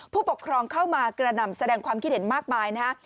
ผู้ปกครองเข้ามากระหน่ำแสดงความคิดเห็นมากมายนะฮะ